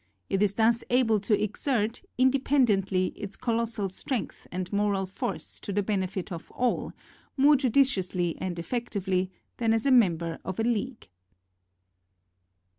It is thus able to exert, independently, its colossal strength and moral force to the benefit of all, more judiciously and effect ively, than as member of a league.